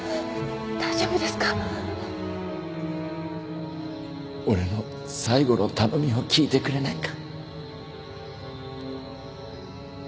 大丈夫ですか？俺の最後の頼みを聞いてくれないか？